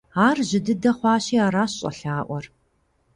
Ар жьы дыдэ хъуащи, аращ щӀэлъаӀуэр.